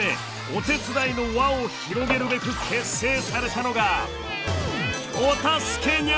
「お手伝いの輪」を広げるべく結成されたのが。